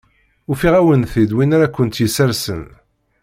Ufiɣ-awent-id win ara kent-yessersen.